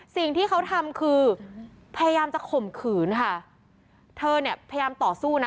สิ่งที่เขาทำคือพยายามจะข่มขืนค่ะเธอเนี่ยพยายามต่อสู้นะ